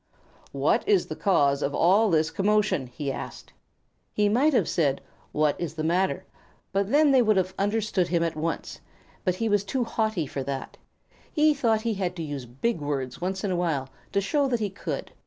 "What is the cause of all this commotion?" he asked. He might have said, "What is the matter?" and then they would have understood him at once, but he was too haughty for that. He thought he had to use big words once in a while to show that he could.